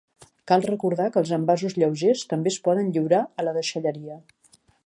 Cal recordar que els envasos lleugers també es poden lliurar a la deixalleria.